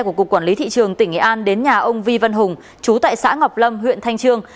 của cục quản lý thị trường tỉnh nghệ an đến nhà ông vi văn hùng chú tại xã ngọc lâm huyện thanh trương